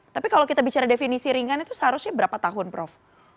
tapi kalau kita bicara definisi ringan itu seharusnya berapa tahun prof